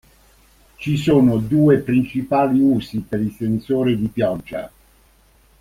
Ci sono due principali usi per il sensore di pioggia.